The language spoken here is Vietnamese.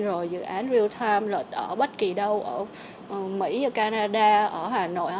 rồi dự án real time ở bất kỳ đâu ở mỹ và canada ở hà nội